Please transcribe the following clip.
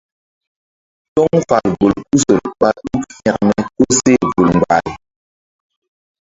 Toŋ fal bolkusol ɓá ɗuk hȩkme koseh vul mgbal.